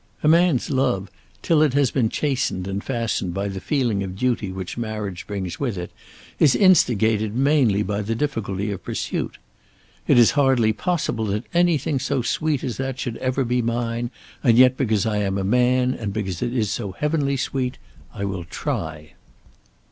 A man's love, till it has been chastened and fastened by the feeling of duty which marriage brings with it, is instigated mainly by the difficulty of pursuit. "It is hardly possible that anything so sweet as that should ever be mine; and yet, because I am a man, and because it is so heavenly sweet, I will try."